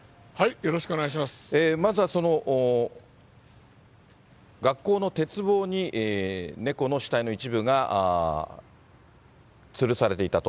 まずは、学校の鉄棒に、猫の死体の一部がつるされていたと。